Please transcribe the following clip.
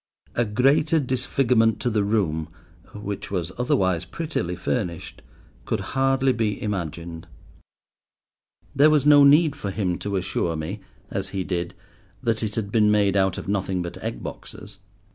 A greater disfigurement to the room, which was otherwise prettily furnished, could hardly be imagined. There was no need for him to assure me, as he did, that it had been made out of nothing but egg boxes.